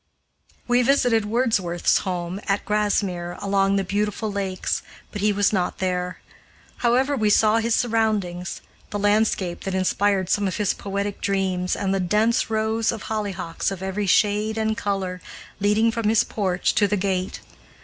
We visited Wordsworth's home at Grasmere, among the beautiful lakes, but he was not there. However, we saw his surroundings the landscape that inspired some of his poetic dreams, and the dense rows of hollyhocks of every shade and color, leading from his porch to the gate.